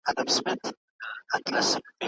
ټولنیز نهاد د ګډو ارزښتونو د ساتلو لپاره کار کوي.